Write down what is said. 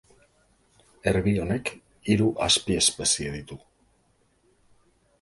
Erbi honek hiru azpiespezie ditu.